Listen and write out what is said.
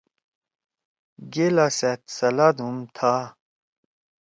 گیلا سیت سلاد ہُم تھا۔